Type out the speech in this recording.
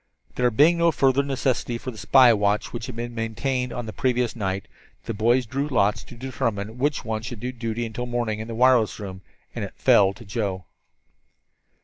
There being no further necessity for the spy watch which had been maintained on the previous night, the boys drew lots to determine which one should do duty until morning in the wireless room, and it fell to Joe.